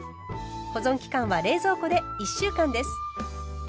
保存期間は冷蔵庫で１週間です。